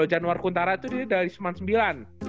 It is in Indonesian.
kalo januari huntara itu dia dari sembilan bulan